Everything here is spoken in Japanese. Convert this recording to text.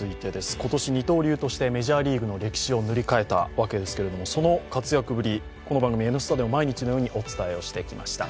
今年、二刀流としてメジャーリーグの歴史を塗り替えたわけですがその活躍ぶり、この番組「Ｎスタ」でも毎日のようにお伝えをしてきました。